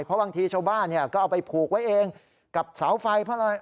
เพราะบางทีชาวบ้านก็เอาไปผูกไว้เองกับเสาไฟเพราะอะไร